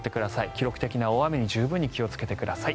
記録的な大雨に十分気をつけてください。